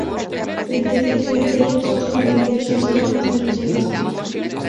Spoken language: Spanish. Frente a esta estrategia surgen diversas formas de respuesta.